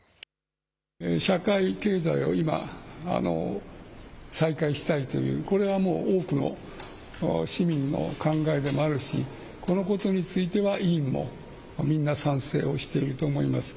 社会経済を今、再開したいという、これはもう多くの市民の考えでもあるし、このことについては委員もみんな賛成していると思います。